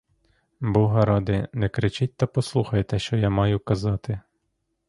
Бога ради, не кричіть та послухайте, що я маю казати.